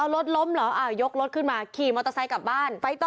รถล้มเหรอยกรถขึ้นมาขี่มอเตอร์ไซค์กลับบ้าน